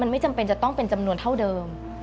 ไม่จำเป็นจะต้องเป็นจำนวนเท่าเดิม